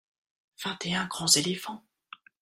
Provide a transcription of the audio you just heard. vingt et un grands éléphants.